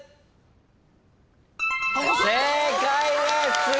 正解です！